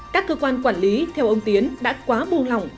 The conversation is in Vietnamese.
các cơ quan quản lý theo ông tiến đã quá buồn lòng